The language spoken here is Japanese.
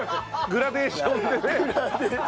グラデーションでね。